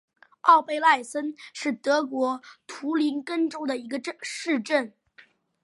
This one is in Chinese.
奥贝赖森是德国图林根州的一个市镇。